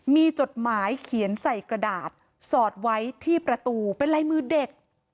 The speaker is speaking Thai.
มีจดหมายเขียนใส่กระดาษสอดไว้ที่ประตูเป็นลายมือเด็ก